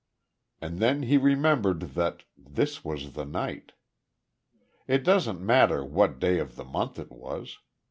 And then he remembered that this was the night. It doesn't matter what day of the month it was.